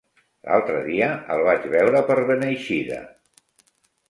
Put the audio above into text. L'altre dia el vaig veure per Beneixida.